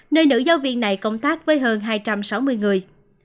nơi nữ giáo viên này công tác với hơn hai trăm sáu mươi người